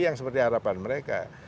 yang seperti harapan mereka